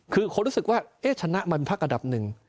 คือคนรู้สึกว่าเอ๊ะชนะมันภาคอัดับหนึ่ง